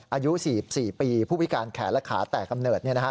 อายุ๔๔ปีผู้พิการแขนและขาแตกกำเนิด